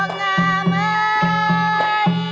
ธรรมดา